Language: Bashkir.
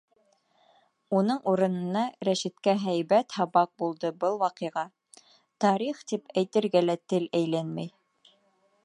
Уның урынына Рәшиткә һәйбәт һабаҡ булды был ваҡиға, тарих тип әйтергә тел әйләнмәй.